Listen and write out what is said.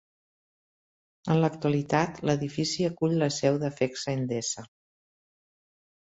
En l'actualitat, l'edifici acull la seu de Fecsa-Endesa.